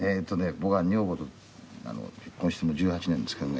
僕は女房と結婚してもう１８年ですけどね。